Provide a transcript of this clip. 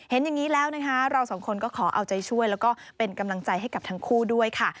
เห็นอย่างนี้แล้วนะคะเราสองคนก็ขอเอาใจช่วยแล้วก็เป็นกำลังใจให้กับทั้งคู่ด้วยค่ะ